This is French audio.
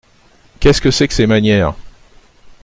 Qu’est-ce que c’est que ces manières !